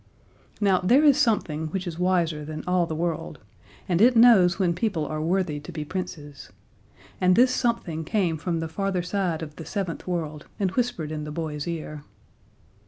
Now there is Something which is wiser than all the world and it knows when people are worthy to be Princes. And this Something came from the farther side of the seventh world, and whispered in the boy's ear.